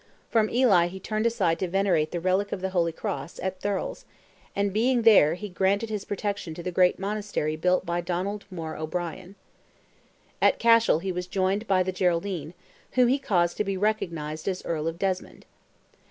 From Ely he turned aside to venerate the relic of the Holy Cross, at Thurles, and being there he granted his protection to the great Monastery built by Donald More O'Brien. At Cashel he was joined by the Geraldine, whom he caused to be recognized as Earl of Desmond.